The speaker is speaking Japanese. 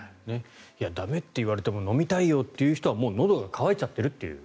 駄目といわれても飲みたいよという人はのどが渇いちゃってるという。